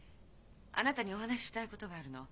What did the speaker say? あなたにお話ししたいことがあるの。